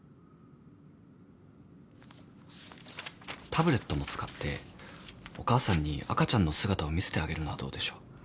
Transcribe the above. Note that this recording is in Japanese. タブレットも使ってお母さんに赤ちゃんの姿を見せてあげるのはどうでしょう？